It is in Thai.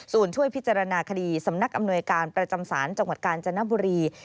ช่วยพิจารณาคดีสำนักอำนวยการประจำศาลจังหวัดกาญจนบุรี